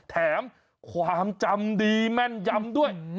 แถมความจำดีแม่นยำด้วย